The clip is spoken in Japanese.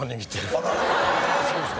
そうですか。